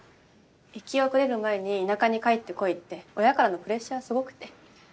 行き遅れる前に田舎に帰ってこいって親からのプレッシャーすごくて。